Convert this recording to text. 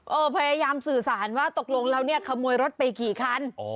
พยายามสื่อสารว่าตกลงแล้วเนี่ยขโมยรถไปกี่คัน